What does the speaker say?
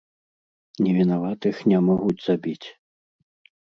Невінаватых не могуць забіць!